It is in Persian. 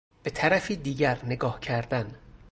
به طرفی دیگر نگاه کردن